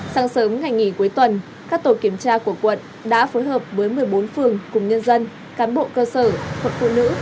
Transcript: sáng sớm ngày nghỉ cuối tuần các tổ kiểm tra của quận đã phối hợp với một mươi bốn phường cùng nhân dân cán bộ cơ sở hội phụ nữ